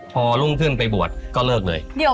พอรุ่งขึ้นไปบวชก็เลิกเลย